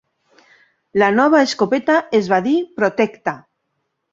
La nova escopeta es va dir "Protecta".